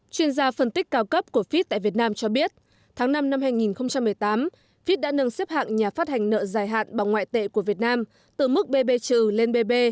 chuyên gia phân tích cao cấp của fit tại việt nam cho biết tháng năm năm hai nghìn một mươi tám fit đã nâng xếp hạng nhà phát hành nợ dài hạn bằng ngoại tệ của việt nam từ mức bb trừ lên bb